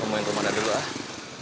main kemana dulu ah